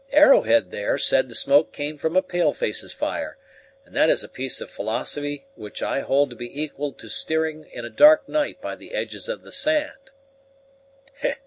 Arrowhead, there, said the smoke came from a pale face's fire, and that is a piece of philosophy which I hold to be equal to steering in a dark night by the edges of the sand."